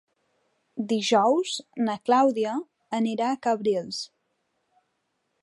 Dijous na Clàudia anirà a Cabrils.